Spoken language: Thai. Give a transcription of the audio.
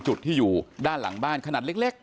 จุดที่อยู่ด้านหลังบ้านขนาดเล็ก